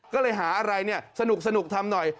ก็เลยหาอะไรสนุกทำหน่อย